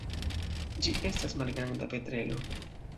Ĝi estas malgranda petrelo.